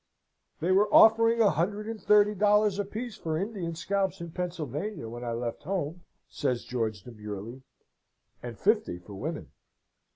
"They were offering a hundred and thirty dollars apiece for Indian scalps in Pennsylvania, when I left home," says George, demurely, "and fifty for women."